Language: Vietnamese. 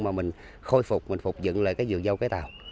mà mình khôi phục mình phục dựng lại cái vườn dâu cái tàu